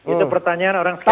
itu pertanyaan orang skeptik